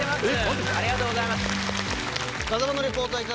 ありがとうございます。